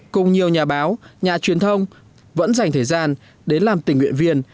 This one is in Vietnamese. cùng nhiều nhà báo nhà truyền thông vẫn dành thời gian đến làm tình nguyện viên